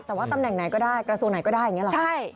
แต่ว่าตำแหน่งไหนก็ได้กระทรวงไหนก็ได้อย่างนี้หรอ